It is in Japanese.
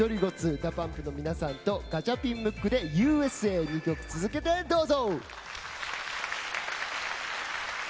ＤＡＰＵＭＰ の皆さんとガチャピン・ムックで「Ｕ．Ｓ．Ａ」２曲続けてどうぞ。